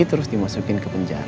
terus dimasukin ke penjara